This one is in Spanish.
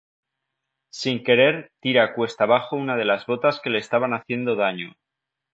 Sin querer tira cuesta abajo una de las botas que le estaban haciendo daño.